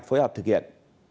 phối hợp được